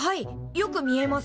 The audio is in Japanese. よく見えます。